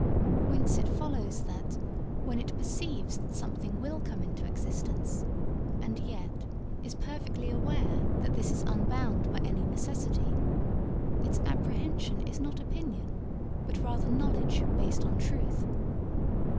Whence it follows that when it perceives that something will come into existence, and yet is perfectly aware that this is unbound by any necessity, its apprehension is not opinion, but rather knowledge based on truth.